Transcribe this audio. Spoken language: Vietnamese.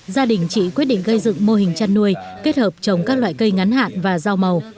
gia đình chị quyết định gây dựng mô hình chăn nuôi kết hợp trồng các loại cây ngắn hạn và rau màu